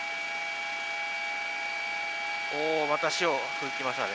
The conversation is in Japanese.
また潮を吹きましたね。